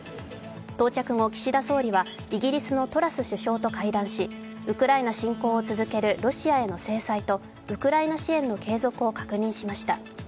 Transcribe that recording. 到着後、岸田総理はイギリスのトラス首相と会談しウクライナ侵攻を続けるロシアへの制裁とウクライナ支援の継続を確認しました。